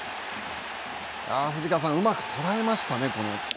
藤川さん、うまく捉えましたね、この球。